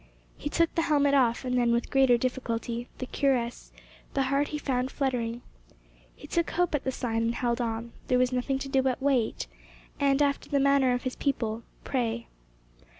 He took the helmet off, and then, with greater difficulty, the cuirass; the heart he found fluttering. He took hope at the sign, and held on. There was nothing to do but wait, and, after the manner of his people, pray.